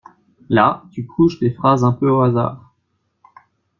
Là tu couches des phrases un peu au hasard.